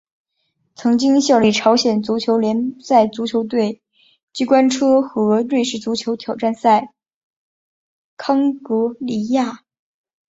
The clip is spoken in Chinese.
曾经效力朝鲜足球联赛足球队机关车和瑞士足球挑战联赛康戈迪亚。